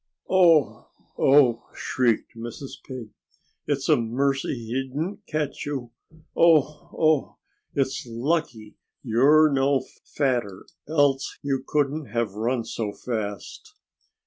"Oh! Oh!" shrieked Mrs. Pig. "It's a mercy he didn't catch you. Oh! Oh! It's lucky you're no fatter, else you couldn't have run so fast."